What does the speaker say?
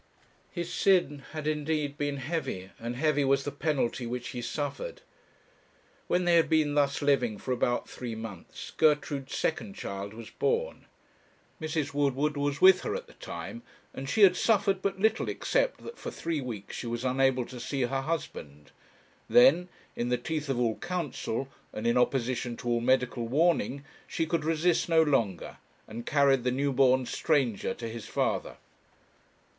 His sin had indeed been heavy, and heavy was the penalty which he suffered. When they had been thus living for about three months, Gertrude's second child was born. Mrs. Woodward was with her at the time, and she had suffered but little except that for three weeks she was unable to see her husband; then, in the teeth of all counsel, and in opposition to all medical warning, she could resist no longer, and carried the newborn stranger to his father.